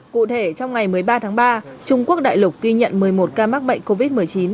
cụ thể trong ngày một mươi ba tháng ba trung quốc đại lục ghi nhận một mươi một ca mắc bệnh covid một mươi chín